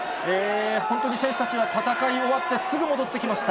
本当に選手たちは戦い終わってすぐ戻ってきました。